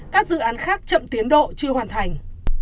các dự án khác chậm tiến độ chưa hoàn thành